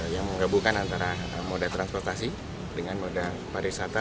yang menggabungkan antara moda transportasi dengan moda pariwisata